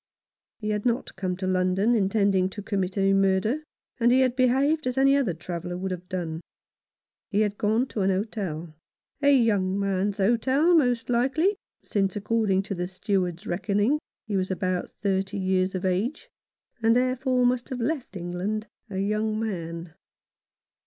He had not come to London intending to commit a murder, and he had behaved as any other traveller would have done. He had gone to an hotel — a young man's hotel, most likely, since, according to the Steward's reckoning, he was about thirty years of age, and, therefore, must have left England a young man.